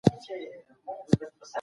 آیا د مسلکي زده کړو نصاب هم نوی سوی دی؟